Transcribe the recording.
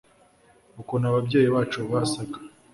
ukuntu ababyeyi bacu basaga